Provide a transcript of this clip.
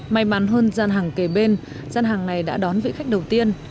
may mắn hơn gian hàng kề bên gian hàng này đã đón vị khách đầu tiên